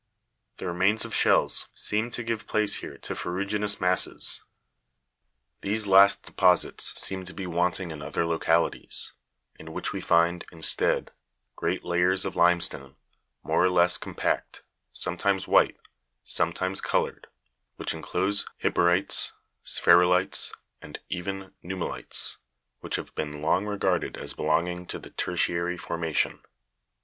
The remains of shells seem to give place here to ferruginous masses. 3. These last deposits seem to be wanting in other localities, in which we find, instead, great layers of limestone, more or less compact, sometimes white, sometimes coloured, which enclose hippuri'tes, spheruli'tes, and even nummuli'tes, which have been long regarded as belonging to the tertiary formation.